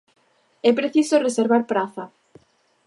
É preciso reservar praza.